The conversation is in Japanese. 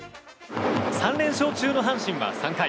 ３連勝中の阪神は３回。